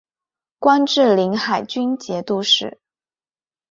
官至临海军节度使。